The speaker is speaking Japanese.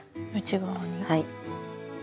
はい。